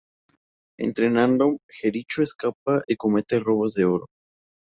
Entretanto, Jericho escapa y comete robos de oro.